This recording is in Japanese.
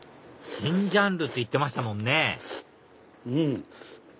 新ジャンルって言ってましたもんねうん！